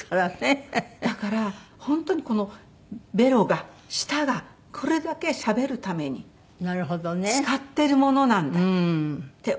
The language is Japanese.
だから本当にベロが舌がこれだけしゃべるために使ってるものなんだって。